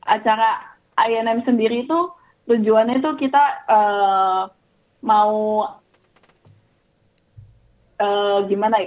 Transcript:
acara a m sendiri itu tujuannya itu kita mau gimana ya